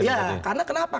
ya karena kenapa